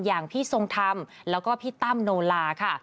อย่างพี่ทรงธรรมแล้วก็พี่ตั้มโนลาค่ะ